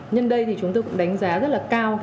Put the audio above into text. nhân đây thì chúng tôi cũng đánh giá rất là cao